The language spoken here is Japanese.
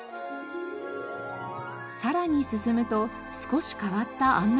さらに進むと少し変わった案内看板が。